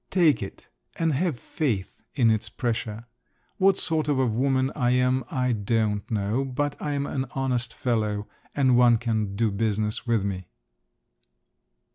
Take it, and have faith in its pressure. What sort of a woman I am, I don't know; but I'm an honest fellow, and one can do business with me."